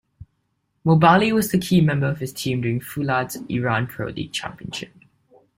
Mobali was the key member of his team during Foolad's Iran Pro League championship.